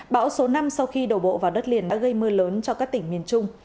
bão số năm sau khi đổ bộ vào đất liền đã gây mưa lớn cho các tỉnh miền trung